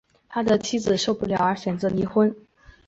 他妻子受不了而选择离婚